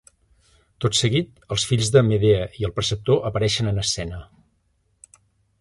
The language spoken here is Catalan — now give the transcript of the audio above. Tot seguit, els fills de Medea i el preceptor apareixen en escena.